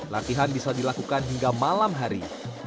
latihan bisa dilakukan hingga malam hari